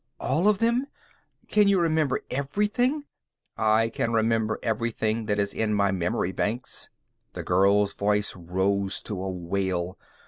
"All of them? Can you remember everything?" "I can remember everything that is in my memory banks." The girl's voice rose to a wail.